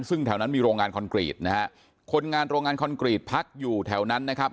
ซึ่งแถวนั้นมีโรงงานคอนกรีตนะฮะคนงานโรงงานคอนกรีตพักอยู่แถวนั้นนะครับ